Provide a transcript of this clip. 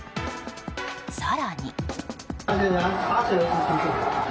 更に。